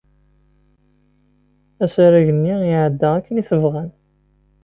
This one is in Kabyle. Asarag-nni iɛedda akken i t-bɣan.